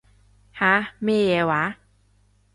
吓？咩嘢話？